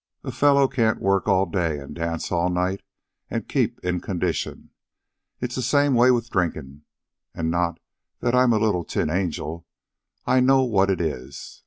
A fellow can't work all day and dance all night and keep in condition. It's the same way with drinkin' an' not that I'm a little tin angel. I know what it is.